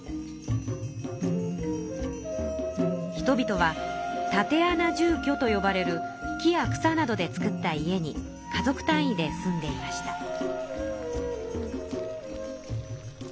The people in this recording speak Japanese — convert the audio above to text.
人々は竪穴住居とよばれる木や草などで作った家に家族単位で住んでいました。